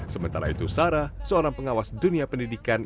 sementara itu sarah seorang pengawas dunia pendidikan